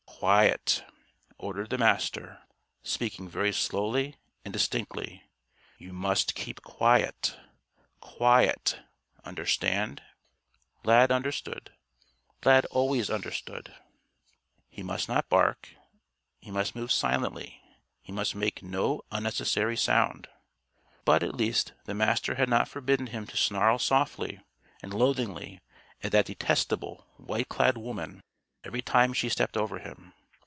"Quiet!" ordered the Master, speaking very slowly and distinctly. "You must keep quiet. Quiet! Understand?" Lad understood. Lad always understood. He must not bark. He must move silently. He must make no unnecessary sound. But, at least, the Master had not forbidden him to snarl softly and loathingly at that detestable white clad woman every time she stepped over him.